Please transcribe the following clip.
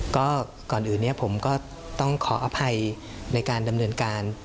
ก็ก่อนอื่นนี้ผมก็ต้องขออภัยในการดำเนินการ